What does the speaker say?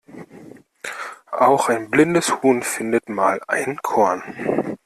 Auch ein blindes Huhn findet mal ein Korn.